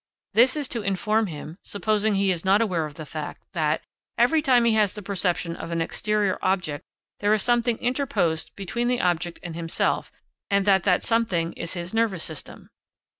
This is to inform him, supposing he is not aware of the fact, that, every time he has the perception of an exterior object, there is something interposed between the object and himself, and that that something is his nervous system.